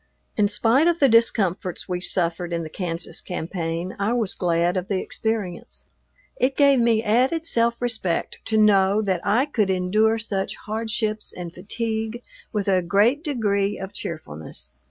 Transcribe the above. In spite of the discomforts we suffered in the Kansas campaign, I was glad of the experience. It gave me added self respect to know that I could endure such hardships and fatigue with a great degree of cheerfulness.